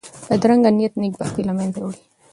بدرنګه نیت نېک بختي له منځه وړي